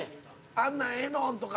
「あんなんええのん？」とか